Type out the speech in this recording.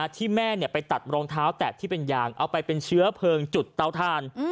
ที่แม่ไปตัดรองเท้าแตะที่เป็นยางเอาไปเป็นเชื้อเพลิงจุดเตาทาน